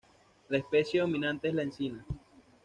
La especie dominante es la encina.